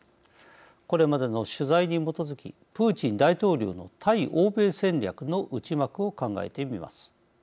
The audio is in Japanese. これまでの取材に基づきプーチン大統領の対欧米戦略の内幕を考えてみます。